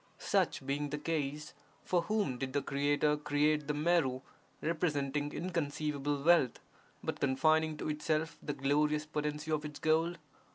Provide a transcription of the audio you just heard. Such being the case, for whom did the Creator create the Meru, representing inconceivable wealth, but confining to itself the glorious potency of its gold?